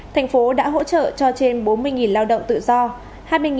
thành phố đã hỗ trợ cho trên bốn mươi lao động tự do